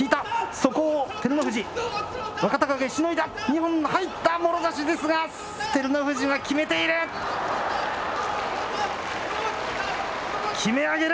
そこを照ノ富士、若隆景、しのいだ、入った、もろ差しですが、照ノ富士が決めている。